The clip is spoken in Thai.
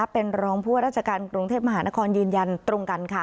เป็นรองผู้ว่าราชการกรุงเทพมหานครยืนยันตรงกันค่ะ